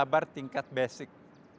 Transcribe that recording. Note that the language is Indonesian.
sabar tingkat basic